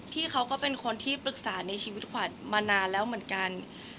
พี่เขาก็เป็นคนที่ปรึกษาในชีวิตขวัญมานานแล้วเหมือนกัน